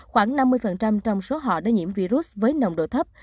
khoảng năm mươi trong số họ đã nhiễm virus với nồng độ thấp